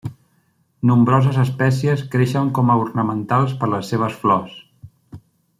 Nombroses espècies creixen com a ornamentals per les seves flors.